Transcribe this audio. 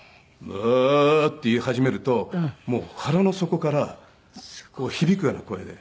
「あー」って言い始めるともう腹の底から響くような声で。